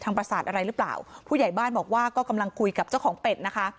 ประสาทอะไรหรือเปล่าผู้ใหญ่บ้านบอกว่าก็กำลังคุยกับเจ้าของเป็ดนะคะ